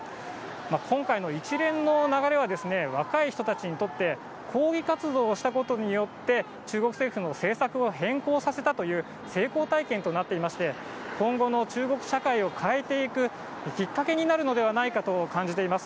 今回の一連の流れは、若い人たちにとって、抗議活動をしたことによって、中国政府の政策を変更させたという成功体験となっていまして、今後の中国社会を変えていくきっかけになるのではないかと感じています。